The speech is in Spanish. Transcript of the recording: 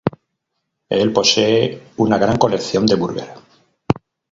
El posee una gran colección de Burger.